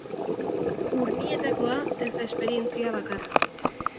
Urnietakoa ez da esperientzia bakarra.